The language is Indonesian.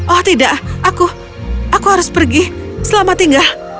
oh tidak aku aku harus pergi selamat tinggal